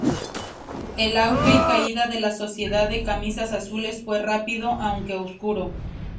El auge y caída de la Sociedad de Camisas Azules fue rápido, aunque oscuro.